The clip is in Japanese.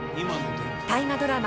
大河ドラマ